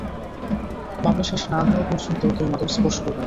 মামলা শেষ না হওয়া পর্যন্ত কেউ মাদক স্পর্শ করবে না।